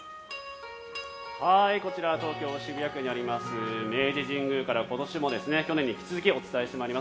こちら東京・渋谷区にあります明治神宮から今年も去年に引き続きお伝えしてまいります。